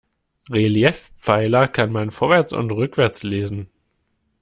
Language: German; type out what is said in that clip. Reliefpfeiler kann man vorwärts und rückwärts lesen.